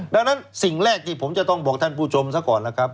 ดังนั้นสิ่งแรกที่ผมจะต้องบอกท่านผู้ชมซะก่อนล่ะครับ